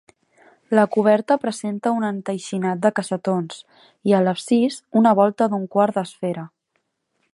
La coberta presenta un enteixinat de cassetons, i a l'absis, una volta d'un quart d'esfera.